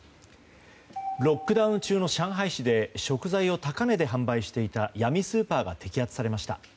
ロックダウン中の上海市で食材を高値で販売していた闇スーパーが摘発されました。